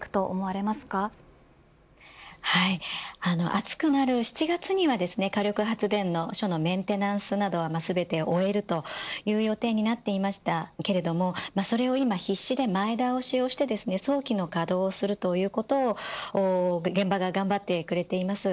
暑くなる７月には火力発電所のメンテナンスなどは全て終えるという予定になっていましたけれどもそれは今、必死で前倒しをして早期の稼働をするということを現場では頑張ってくれています。